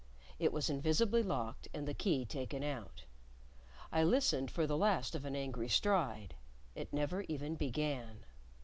It was invisibly locked and the key taken out. I listened for the last of an angry stride. It never even began.